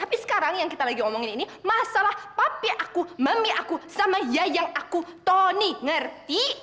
tapi sekarang yang kita lagi ngomongin ini masalah papi aku mami aku sama ya yang aku tony ngerti